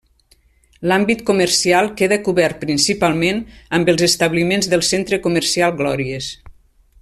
L'àmbit comercial queda cobert principalment amb els establiments del Centre Comercial Glòries.